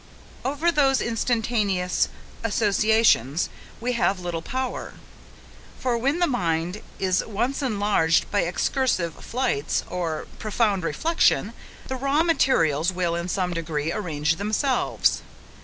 Over those instantaneous associations we have little power; for when the mind is once enlarged by excursive flights, or profound reflection, the raw materials, will, in some degree, arrange themselves.